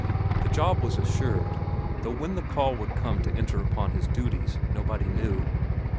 The job was assured, though when the call would come to enter upon his duties nobody knew.